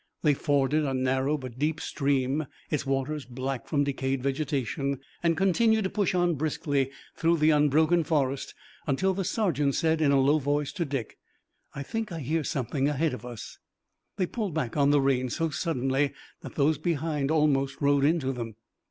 They forded a narrow but deep stream, its waters black from decayed vegetation, and continued to push on briskly through the unbroken forest, until the sergeant said in a low voice to Dick: "I think I hear something ahead of us." They pulled back on the reins so suddenly that those behind almost rode into them.